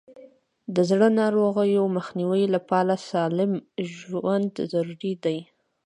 د زړه ناروغیو مخنیوي لپاره سالم ژوند ضروري دی.